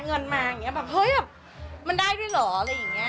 เงินมาอย่างเงี้ยแบบเฮ้ยมันได้ได้หรออะไรอย่างเงี้ย